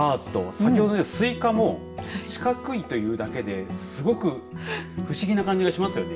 先ほどスイカも四角いというだけですごく不思議な感じがしますよね。